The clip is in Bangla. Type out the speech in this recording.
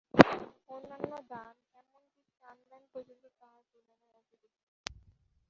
অন্যান্য দান, এমন কি প্রাণদান পর্যন্ত তাহার তুলনায় অতি তুচ্ছ।